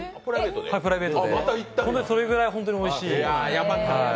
プライベートで、それぐらい本当においしい。